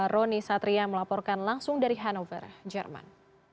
roni satria melaporkan langsung dari hannover jerman